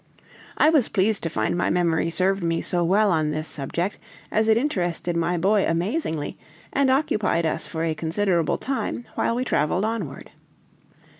I was pleased to find my memory served me so well on this subject, as it interested my boy amazingly; and occupied us for a considerable time while we traveled onward.